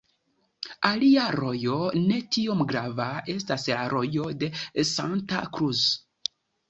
Alia rojo ne tiom grava estas la Rojo de Santa Cruz.